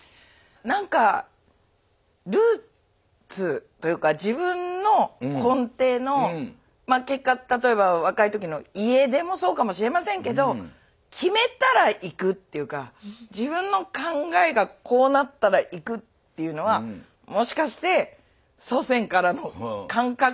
何かルーツというか自分の根底のまあ結果例えば若い時の家出もそうかもしれませんけど決めたら行くというか自分の考えがこうなったら行くというのはもしかして祖先からの感覚。